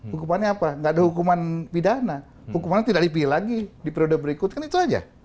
hukumannya apa nggak ada hukuman pidana hukuman tidak dipilih lagi di periode berikut kan itu aja